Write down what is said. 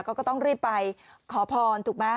ก็ต้องเริ่มไปขอพรถูกไหม